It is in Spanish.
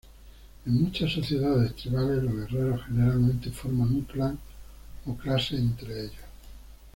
En muchas sociedades tribales, los guerreros generalmente forman un clan o clase entre ellos.